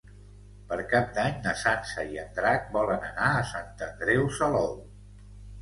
Per Cap d'Any na Sança i en Drac volen anar a Sant Andreu Salou.